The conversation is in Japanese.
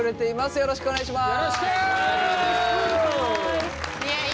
よろしくお願いします。